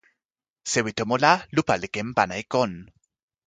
sewi tomo la, lupa li ken pana e kon.